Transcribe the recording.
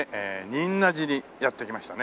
仁和寺にやって来ましたね。